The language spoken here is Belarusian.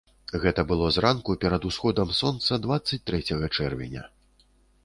Гэта было зранку, перад усходам сонца дваццаць трэцяга чэрвеня.